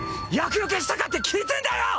厄よけしたかって聞いてんだよ！